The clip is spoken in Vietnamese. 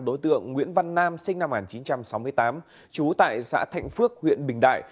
đối tượng nguyễn văn nam sinh năm một nghìn chín trăm sáu mươi tám trú tại xã thạnh phước huyện bình đại